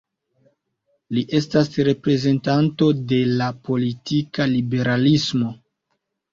Li estas reprezentanto de la politika liberalismo.